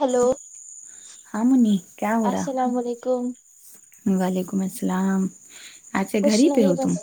hello ہاں منی کیا ہو رہا السلام علیکم وعلیکم السلام اچھا گھر کچھ ہی پہ نہیں ہو بس تم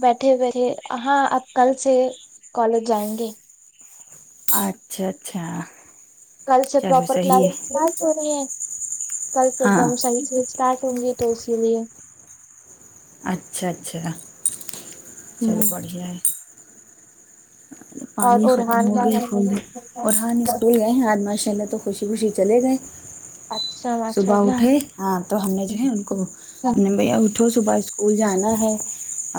بیٹھے بیٹھے ہاں ا پ کل سے کالج جائیں گے آٹھ کل سے چلو پراپر صحیح ہے کلاسزس ہو رہی ہیں کل سے ایک ہاں دم سن اسٹارٹ ہوں گی تو اسی لیے اچھا اچھا چلو بڑھیا ہے اور پانی ختم ارحان ہو گئے اسکول میں کا اور ہاں اسکول گئے ہیں آج ماشاء اللہ تو خوشی خوشی چلے گیے اچھا ماشاء صبح اللہ اٹھے ہاں تو ہم نے جو ہے ان کو ہم نے بھیا اٹھ اٹھوں صبح اسکول جانا ہے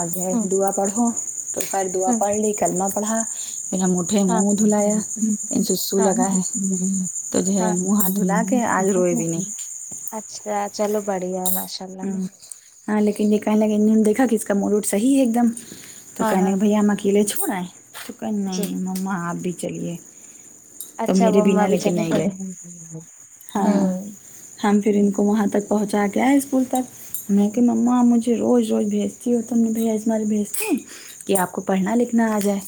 اگر ہوں دعا پڑھو تو خر دعا ہوں پڑھ لی کلمہ پڑھا پھرہم ہاں جی ہاں لگا ہے جی تو جو ہے ہاں منہ ہاتھ دھلا کے آج روئے بھی نہیں اچھا چلو بڑھیا میں ہ ہاں لیکن یہ کہنے لگے انوں نے دیکھا کہ اس کا مڈوٹ صحیح ہے ایک دم تو ہاں کہنے ہاں لگ بھیا ہم اکیلے چھوڑے ہیں تو کہیں جی نہیں ماں آپ بھی چلیے تو اچھا میرے مما بنا بھی لیکن چلے نہیں تھے گئے ہاں ہم پھر ان کو وہاں تک پہنچا کے آئے اسکول تک لیکن مما مجھے روز روز بھیجتی ہو تم نے بھیجتے کہ آپ کو پڑھنا لکھنا آ جائے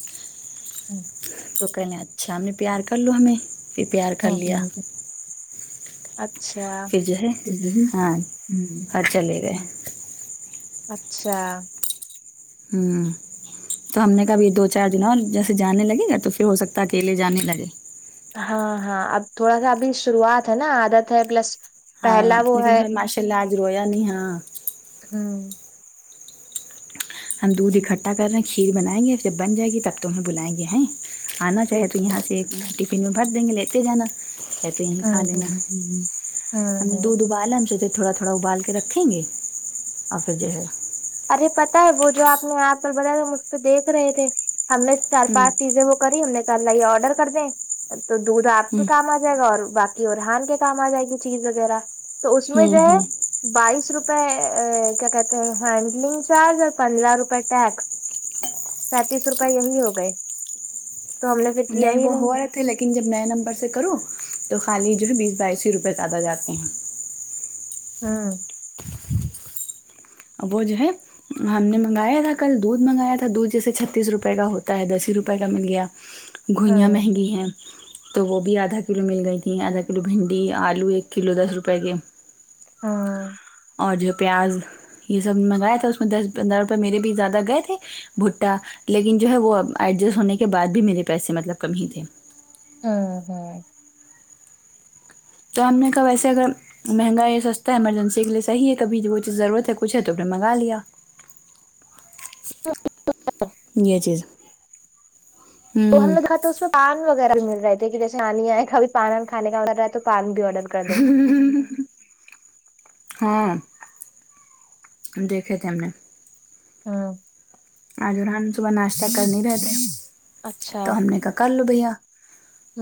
امم تو کہہ لیں اچھا ہم نے پیار کر لو ہمیں پھر پیار کر لیا اچھا پھر جو ہے ہاں اور چلے گئے اچھا ہوں تو ہم نے کابھی دو چار دن اور جیسے جانے لگے گا تو پھر ہو سکتا ہے اکیلے جانے لگے ہاں ہاں اب تھوڑا سا ابھی شروعات ہے نا عادت ہے پلس ہاں پہلا وہ لیکن ہے ہ ماشاء اللہ آج رویا نہیں ہاں ہوں ہم دودھ اکٹھا کر رہے ہیں کھیر بنائیں گے جب بن جائے گی تب تو ہمیں بلائیں گے ہیں آنا چاہے ٹھیک تو یہاں سے ٹفن میں بھر دیں گے لیتے جانا یا تو یہی ہ کھا لینا ہ ہ ہم ہ دودھ ابآل ہم سے تھوڑا تھوڑا ابال کے رکھیں گے اور پھر جو ہے ارے پتا ہے وہ جو آپ نے یہاں پر بلایا تھا اس پہ دیکھ رہے تھے ہم نے چار ہوں پانچ چیزیں وہ کری ہم نے کل یہ آرڈر کر دیں تو دودھ آپ کے ہوں کام آ جائے گا اور باقی ارحان کے کام آ جائے گی چیز وغیرہ تو اس میں ہوں جو ہے ہوں بائیس روپئے کیا کہتے ہیں ہینڈلنگ چارج اور پندرہ روپئے ٹیکس سینتیس روپئے یہی ہو گئے تو ہم نے پھر کیا ہی وہ ہو نہیں رہے تھے جب نئے نمبر سے کرو تو خالی جو ہے بیس بائیسو روپئے زیادہ جاتے ہیں ہاں اب جو ہے ہم نے منگایا تھا کل دودھ منگایا تھا دودھ جیسے چھتیس روپئے کا ہوتا ہے دس ہی روپئے کا مل گیا گھوئیاں ہوں مہنگی ہیں تو وہ بھی آدھا کلو مل گئی تھیں آدھا کلو بھنڈی آلو ایک کلو دس روپئے کے ہاں ہاں اور جو پیاز یہ سب منگایا تھا اس میں دس پندرہ روپئے میرے بھی زیادہ گئے تھے بھٹا لیکن جو ہے وہ ایڈجسٹ ہونے کے بعد بھی میرے پیسے مطلب کم ہی تھے ہاں ہاں تو ہم نے کہب ویسے اگر مہنگا یہ سستا ہے ایمرجنسی کے لیےصحیح ہے کبھی جو وہ چیز ضرورت ہےکچھ ہے تو نے منگا لیا یہ چز تو ہم ہوں نے دیکھا تو اس پان وغیرہ بھی مل رہے تھے کہ جیسے آانی آئے کب پان کھے کا آڈر رہ ہے تو پان بھی آرڈر کر دو ہاں دیکھے تھے ہم نے ہاں آج ارہان صبح ناشتہ کر نہیں رہے تھے اچھا تو ہم نے کا کر لو بھیا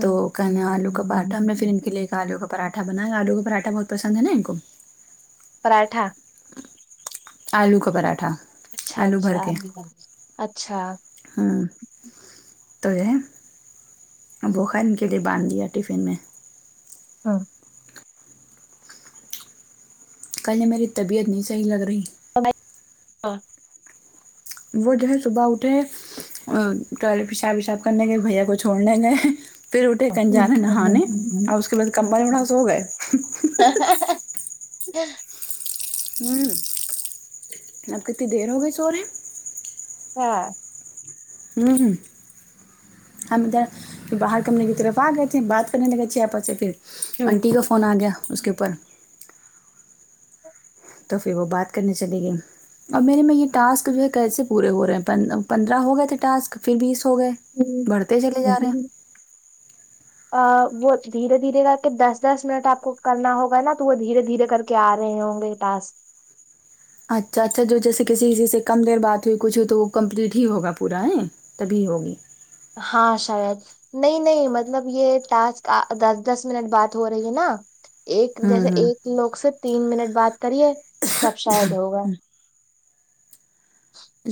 تو کہنا آلو کا پراٹھا ہم نے پھر ان کے لیے ایک آلو کا پراٹھا بنایا آلو کا پراٹھا بہت پسند ہے نا ان کو پراٹھا آلو کا پراٹھا اچھا اچھا بھر کے آلو کا اچھا ہوں تو یہ ا بو خیر ان کے لیے باندھ دیا ٹفن میں ہاں کل یہ میری طبیعت نہیں صحیح لگ رہی ہاں وہ جو ہے صبح اٹھیں ٹوائلٹ پشاب وشاب کرنے گے بھیا کو چھوڑنے گئے پھر اٹھے کے ک انجانے نہانے اور اس کے بعد کمبائی مڑا سو ہو گئے ہاں ہاں ہوں اب کتنی دیر ہو گئی سو رہے ہاں ھممم ہم باہر کمرے کی طرف آ گئے تھے بات کرنے لگے تھے آپس سے پھر ہوں آنٹی کا فون آ گیا اس کے اوپر توپھر وہ بات کرنے چلے گیی اور میرے میں یہ ٹاسک جو ہے کیسے پورے ہو رہے ہیں پندرہ ہو گئے تھے ٹاسک پھر بیس ہو گئے بڑھتے چلے جا رہے ھمم ہیں آ وہ دھیرے دھیرے کر کے دس دس منٹ آپ کو کرنا ہوگا نا تو وہ دھیرے دھیرے کر کیے آ رہے ہوں گے ٹاسک اچھا اچھا جو جیسے کیسی سے کم دیر بات ہوئی کچھ ہوئی تو وہ کمپلیٹ ہی ہوگا پورا ہے تبھی ہوگی ہاں شاید نہیں نہیں مطلب یے ٹاسک دس دس منٹ بات ہو رہی ہے نا ایک ہوں جیسے ہوں ایک لوگ سے تین منٹ بات کریے تب شاید ہوگا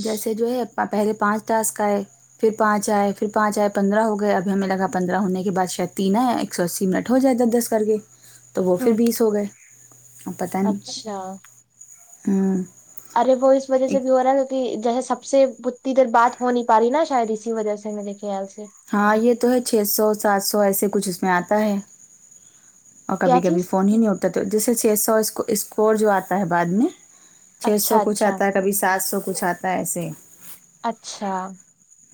جیسے جو ہے پہلے پانچ ٹا سک ٹاسک آئے پھر پانچ آئے پھر پانچ آئے پندرہ ہو گئے ابھی ہمیں لگا پندرہ ہونے کے بعد شاید تین ہے ایک سو اسی منٹ ہو جائے دس دس کر کے تو وہ ہوں پھربیس ہو گئے اب پتا نہیں اچھا ہمم ارے وہ اس وجہ سے بھی ہو رہا ہے جیسے سب سے اتنی دیر بات ہو نہیں پا رہی نا شاید اسی وجہ سے میرے خیال سے ہاں یے تو ہے چھ سو سات سو ایسے کچھ اس میں آتا ہے اور کیا کبھی کبھی چیز فون ہی نہیں اٹھتا تو جیسے چھ سو اسکور جو آتا ہے بعد میں چھ سو اچھا کچھ اچھا آتا ہے کبھی سات سو کچھ آتا ہے ایسے اچھا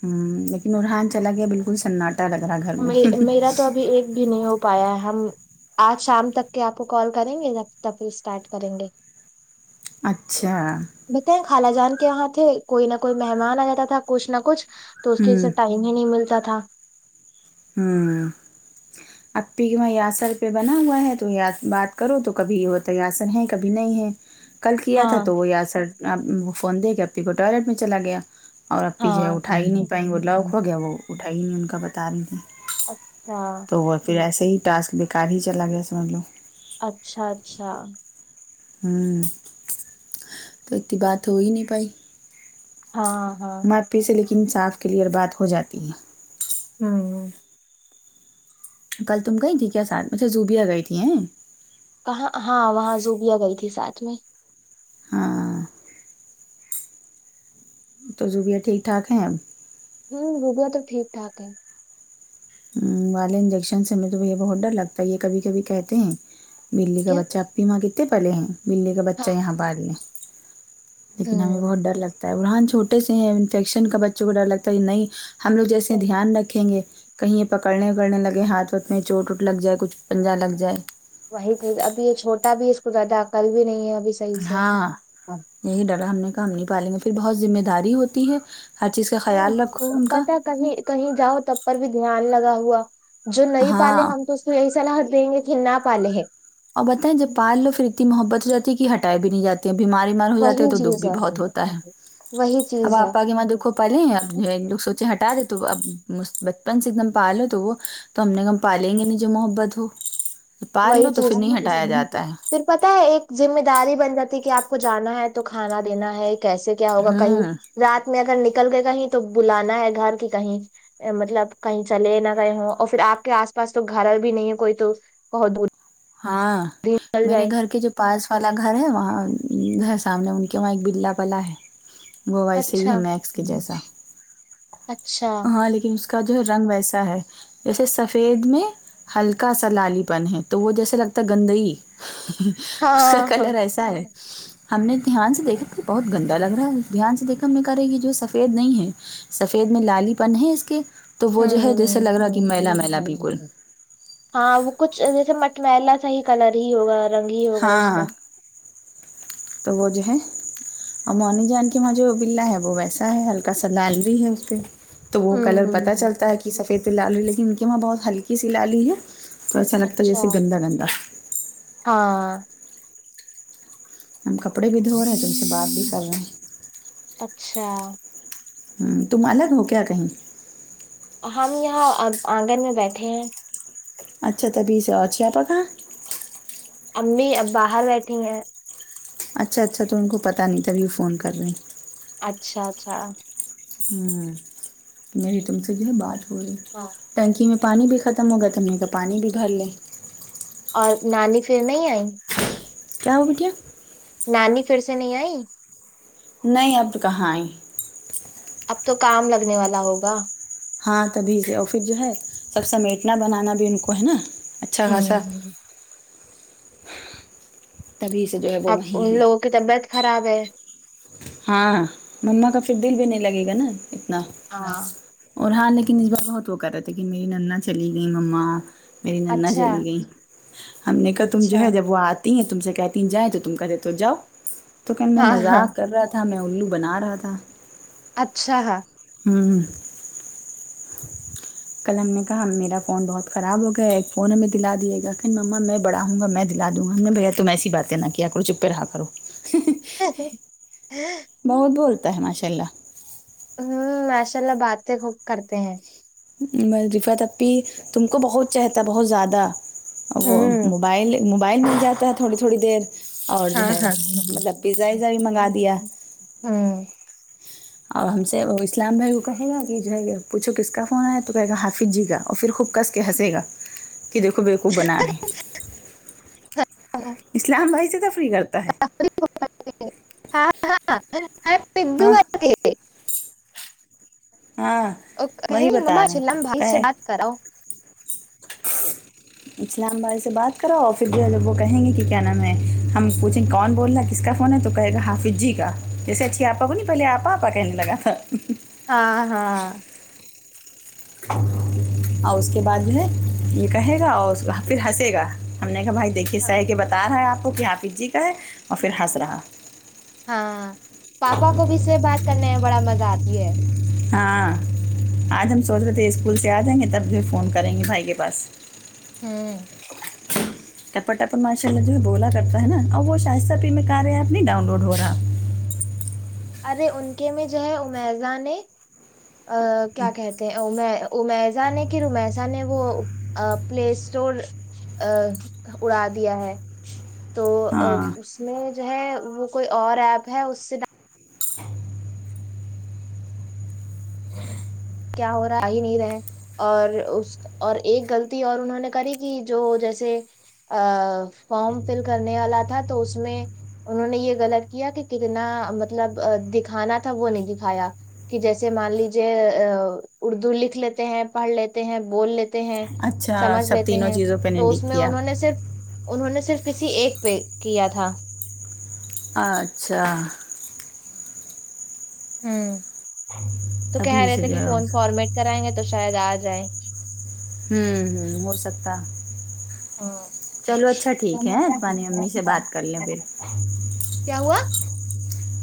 ہمم لیکن ارحان چلا گیا بالکل سناٹ ٹا لگ رہ گھر میں میرا تو ابھی ایک بھی نہیں ہو پایا ہم آج شام تک کے آپ کو کال کریں گے جب تک اسٹارٹ کریں گے اچھا بتایے خالا جان کے یہاں تھے کوئی نہ کوئی مہمان آ جاتا تھا کچھ نہ کچھ تو اس کے ہوں انہیں نہیں ملتا تھا ہمم آپی میں یاسر پے بنا ہوا ہے تو یا بات کرو تو کبھی ہو تو یاسر ہیں کبھی نہیں ہے کل کیا تھا ہاں تو وہ یاسر وہ فون دے کے آپی کو ٹوائلٹ میں چلا گیا اور آپی جو ہے ہاں اٹھا ہی نہیں پائی وہ لوک ہو گیا وہ اٹھا ہی نہیں ان کا بتا رہی تھی اچھا تو وہ پھر ایسے ہی ٹاسک بےکار ہی چلا گیا سمجھ لو اچھا اچھا ہمم تو اتنی بات ہوئی نہیں پائی ہاں ہاں آپی سے لیکن صاف کلیئر بات ہو جاتی ہے ھمم کل تم گئی تھی کیا ساتھ بجے زوبیا بیٹھی ہیں کہاں ہاں وہاں زوبیا گئی تھی ساتھ میں ہاں تو زوبیا ٹھیک ٹھاک ہے ہمم زوبیا تو ٹھیک ٹھاک ہے والے انجیکشن سے ہمیں تو بھیا بہت ڈر لگتا ہے یہ کبھی کبھی کہتے ہیں بلی کا کیا بچہ آ پی ماں کتنے پالے ہیں بلی کا بچہ ہاں یہاں ہاں پالے لیکن ہمیں ہوں بہت ڈر لگتا ہے برھان چھوٹے سے ہیں انفیکشن کا بچوں کو ڈر لگتا ہے نہیں ہم لوگ جیسے دھیان رکھیں گے کہیں پکڑنے اکڑنے لگے ہاتھ واتھ میں چوٹ وٹ لگ جائے کچھ پنجہ لگ جائے وہی ابھی یہ چھوٹا بھی ہے اس کو زدہ عقل بھی نہیں ہے اب ہاں یہی ڈرا ہم نے کام نہیں پالیں گے پھر بہت ذمہ داری ہوتی ہے ہر چیز کا ہ خیال رکھو ان کا پتا کہیں کہیں جاؤ تب پر بھی دھیان لگا ہوا جو نہیں پالے ہاں ہم تو اس کو یہی صلاح دیں گے کہ نہ پالے ہیں اور بتائیں جب پال لو پھر اتنی محبت ہو جاتی کہ ہٹائے بھی نہیں جاتے بیمار بیمار ہو جاتے ہے وہی تو دکھ چیز بھی بہت ہوتا ہے وہی اب چیز آپ ہے کی ماں دیکھو پالے اب لوگ سوچے ہٹا دے تو اب بچپن سے ایک دم پالو تو وہ تو ہم نے کہ ہم پاالیں گے نہیں جو محبت ہو پال وہی لو تو چیز پھر نہیں اس ہٹایا تھا جاتا ہے پھر پتہ ہے ایک ذمہ داری بن جاتی کہ آپ کو جانا ہے تو کھانا دینا ہے کیسے کیا ہوگا کہیں ہوں رات میں اگر نکل گئے کہیں تو بلانا ہے گھر کی کہیں مطلب کہیں چلے نہ کہیں ہو اور پھر آپ کے آس پاس تو گھر بھی نہیں ہے کوئی تو بہت دور ہاں دن چل میرے جائے گھر کے جو پاس والا گھر ہے وہاں سامنے ان کے وہاں ایک بلا پلا ہے وہ ویسے ہی ہے اچھا میکس کے جیسا اچھا ہاں لیکن اس کا جو رنگ ویسا ہے جیسے سفید میں ہلکا سا لالی پن ہے تو وہ جیسے لگتا ہے گندی اس کا ہاں ہاں کلر ایسا ہے ہم نے دھیان سے دیکھا کہ بہت گندا لگ رہا ہے دھیان سے دیکھا ہم نے کرے کہی جو سفید نہیں ہے سفید میں لالی پن ہیں اس کے تو ہ وہ جو ہے جیسے لگ رہا کہ میلا میلا بالکل ہاں وہ کچھ جیسے مٹ ملا سا ہی کلر ہی ہوگا رنگ ہی ہوگا اس کا ہاں تو وہ جو ہے اور مونی جان کی وہاں جو بلا ہے وہ ویسا ہے ہلکا سا لال بھی ہے اس پہ تو ہ وہ کلر پتہ چلتا ہے کہ ہ سفید لالی لیکن ان کے وہاں بہت ہلکی سی لالی ہے تو ایسا لگتا ہے اچھا جیسے گندا گندا ہاں ہم کپڑے بھی دھو رہے ہیں تم سے بات بھی کر رہے ہیں اچھا ہمم تم الگ ہو کیا کہی ہم یہاں اب آنگن میں بیٹھے ہیں اچھا تبھی سے اچھی آپا کہاں امی اب باہر بیٹھی ہیں اچھا اچھا تو ان کو پتا نہیں تبھی فون کر رہے ہیں اچھا اچھا ہمم میری تم سے جو ہے بات ہو رہی ہاں ٹینکی میں پانی بھی ختم ہوگا تو ہم نے تو پانی بھی بھر لیں اور نانی پھر نہیں آئی کیا ہوگیا نانی پھر سے نہیں آئی نہیں اب کہاں ہیں اب تو کام لگنے والا ہوگا ہاں تبھی سے اور پھر جو ہے سب سمیٹنا بنانا بھی ان کو ہے نا اچھا خاصا ہوں تبھی سے جو ہے وہ اب ان وہیں ہیں لوگوں کی طبیعت خراب ہے ہاں ماما کا پھر دل بھی نہیں لگے گا نا اتنا ہاں اور ہاں لیکن اس بار بہت وہ کر رہے تھے کہ میری نانا چلی گئی مما میری نانا اچھا چلی گئی ہم نے کہا تم جو اچھا ہے جب وہ آ تم سے کہتی ہیں جائیں تو تم کہتے تو جا تو کیا میں ہاں ہاں مذاق لکر رہا تھا میں الو بنا رہا تھا اچھا ہاں ہمم کل ہم نے کہا میرا فون بہت خراب ہو گیا ایک فون ہمیں دلا دے گا کہ ما میں بڑا ہوں گا میں دلا دوں گا ہم بھیا تم ایسی باتیں نہ کیا کرو چپے رہا کرو ہاں بہت بولتا ہے ماشاء اللہ ہوں ماشاء اللہ باتیں خوب کرتے ہیں دفہ تبی تم کو بہت چاہتا بہت زیادہ ا وہ ہوں موبائل موبائل مل جاتا ہے تھوڑی تھوڑی دیر اور جو ہاں ہے ہاں مطلب پیزا وزا بھی منگا ہوں دیا ہاں اور ہم سے وہ اسلام بھائی کو کہے گا کہ جو ہے پوچھو کس کا فون آیا تو کہے گا ہافظ جی کا اور پھر خوب کس کہ ج گا کہ دیکھو بےقوف بنا رہے ہیں اسلام وہی سے تفری کرتا ہے ہاں ہاں ہاں [unintelligible] ہاں اور کہے وہی کی ممما بتا اسلام بھائی رہے سے ہیں بات کراؤ اسلام بھائی سے بات کراو اور پھر بھی لوگ وہ کہیں گے کہ کیا نام ہے ہم پوچھیں گے کون بول رہنا ہے کس کا فن تو کہے گا حافظ جی کا جیسے اچھی آپا کو نہیں پہلے آپ آپ کا کہنے لگا تھا ہاں ہاں اور اس کے بعد جو ہے یہ کہے گا اور اس پھر ہنسے گا ہم نے کہا بھائی دیکھیے سہ کہ بتا رہا ہے آپ کو کہ حافظ جی کا ہے اور پھر ہنس رہا ہاں پاپا کو بھی اس سے بات کرنے میں بڑا مزہ آتی ہے ہاں آج ہم سوچ رہے تھے اسکول سے آ جائیں گے تب بھی فون کریں گے بھائی کے پاس ہوں ٹپر ٹپر ماشاء اللہ جو ہے بولا کرتا ہے نا اور وہ شائستہ پہ کار ایپ نہیں ڈاؤن لوڈ ہو رہا ارے ان کے میں جو ہے امیزہ ہے کیا کہتے امیزا نے کہ امیسا نے ا وہ پلے اسٹور ا اڑا دیا ہے تو ہاں اس میں جو ہے وہ کوئی اور ایپ ہے اس سے کیا ہو رہا آ ہی نہیں رہ ہے اور اس اور ایک غلطی اور انہوں نے کری کہ جو جیسے ا فارم فل کرنے والا تھا تو اس میں انہوں نے یہ غلط کیا کہ کتنا مطلب دکھانا تھا وہ نہیں دکھایا کہ جیسے مان لیجیے اردو لکھ لیتے ہیں پڑھ لیتے ہیں بول لیتے ہیں اچھا سمجھ سب لیتے تینوں ہیں چیزوں پہ تو اس نہیں میں کیا انہوں نے صرف انہوں نے صرف کسی ایک پہ کیا تھا اچھا ہوں تو کہہ تبھی رہے سے تھے جو کہ ہے فون فارمیٹ کرائیں گے تو شاید آ جائ ہوں ام ہو سکتا ہاں چلو اچھا ٹھیک ہے ٹھیک تمہاری امی سے بات کر لیں ہے پھر کیا ہوا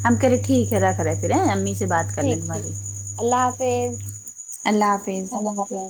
ہم کہہرے ٹیک ہے داکھ رہا پھر سے بات کر ٹھیک لیں ٹھیک تمہاری اللہ حافظ اللہ حافظ اللہ حافظ